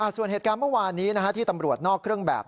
ส่วนเหตุการณ์เมื่อวานนี้ที่ตำรวจนอกเครื่องแบบ